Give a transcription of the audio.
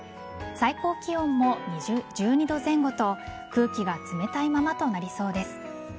最高気温も１２度前後と空気が冷たいままとなりそうです。